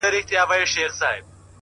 د زړه له درده دا نارۍ نه وهم،